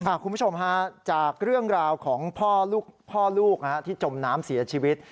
คุณผู้ชมฮะจากเรื่องราวของพ่อลูกพ่อลูกที่จมน้ำเสียชีวิต